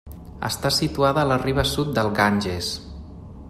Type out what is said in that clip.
Està situada a la riba sud del Ganges.